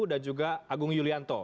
dan juga agung yulianto